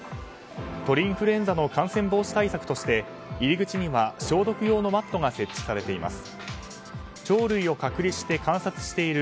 鳥インフルエンザの感染防止対策として入り口には消毒用のマットが設定されています。